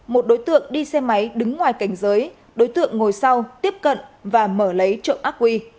một đối tượng đi xe máy đứng ngoài cảnh giới đối tượng ngồi sau tiếp cận và mở lấy trộm ác quy